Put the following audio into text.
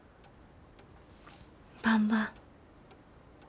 ばんば。